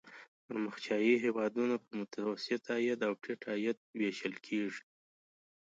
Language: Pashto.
پرمختیايي هېوادونه په متوسط عاید او ټیټ عاید ویشل کیږي.